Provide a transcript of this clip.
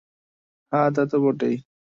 হ্যাঁ, তাতো বটেই।